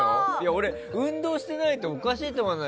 俺、運動してないとおかしいと思わない？